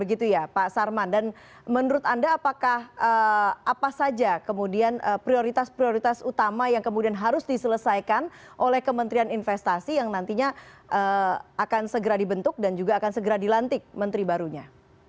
dan menurut anda apakah apa saja kemudian prioritas prioritas utama yang kemudian harus diselesaikan oleh kementerian investasi yang nantinya akan segera dibentuk dan juga akan segera dilantik menteri barunya